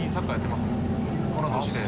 この年で。